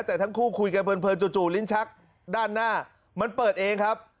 แต่ทั้งคู่คุยกันเพลินจู่ลิ้นชักด้านหน้ามันเปิดเองครับ